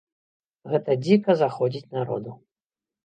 Гэта дзіка заходзіць народу.